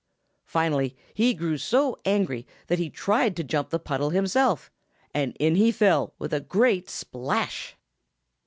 Finally he grew so angry that he tried to jump the puddle himself, and in he fell with a great splash!